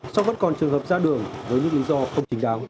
sau đó còn trường hợp ra đường với những lý do không chính đáng